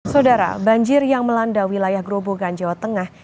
saudara banjir yang melanda wilayah grobogan jawa tengah